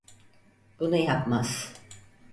Bunu yapmaz.